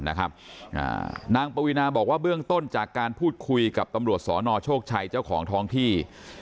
นางปวีนาบอกว่าเบื้องต้นจากการพูดคุยกับตำรวจสนโชคชัยเจ้าของท้องที่